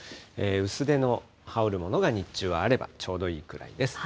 薄手の羽織るものが日中あれば、ちょうどいいくらいです。